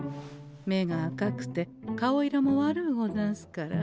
目が赤くて顔色も悪うござんすから。